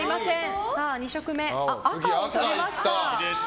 ２色目、赤を取りました。